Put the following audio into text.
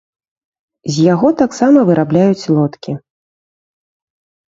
З яго таксама вырабляюць лодкі.